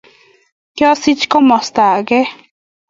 kosich komosta ake